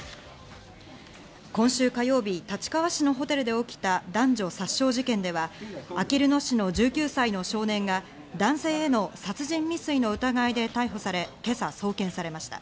今週火曜日、立川市のホテルで起きた男女殺傷事件では、あきる野市の１９歳の少年が男性への殺人未遂の疑いで逮捕され今朝、送検されました。